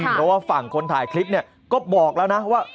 เพราะว่าฝั่งคนถ่ายคลิปเนี่ยก็บอกแล้วนะว่า